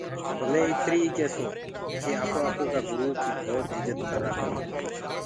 تو مي اِتر ئي ڪيسونٚ ڪي اپڻآ اپڻآ گُرئو ڪي ڀوت اِجت ڪررآ ڪرو۔